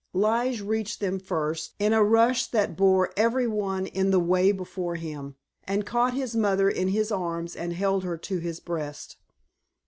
Lige reached them first, in a rush that bore every one in the way before him, and caught his mother in his arms and held her to his breast.